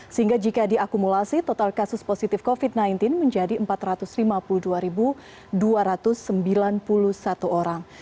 sehingga jika diakumulasi total kasus positif covid sembilan belas menjadi empat ratus lima puluh dua dua ratus sembilan puluh satu orang